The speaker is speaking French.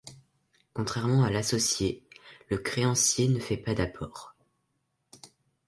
Contrairement à l'associé, le créancier ne fait pas d'apport.